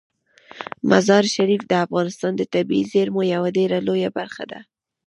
مزارشریف د افغانستان د طبیعي زیرمو یوه ډیره لویه برخه ده.